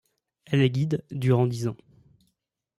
Elle est guide durant dix ans.